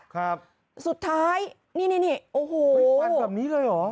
ครับสุดท้ายนี่นี่โอ้โหฟันแบบนี้เลยเหรอ